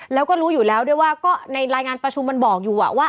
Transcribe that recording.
แล้วก็รู้อยู่แล้วด้วยว่าก็ในรายงานประชุมมันบอกอยู่ว่า